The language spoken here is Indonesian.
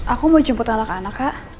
aku mau jemput anak anak kak